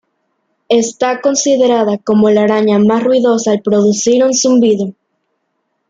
Está considerada como la araña más ruidosa al producir un zumbido.